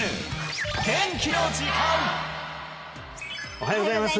おはようございます